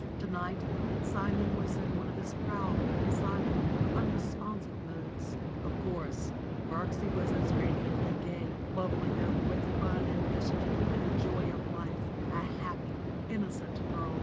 To night Simon was in one of his proud, silent, unre sponsive moods. Of course, Birksie was as radiantly gay, bubbling over with fun and mischief and the joy of life, a happy, innocent girl.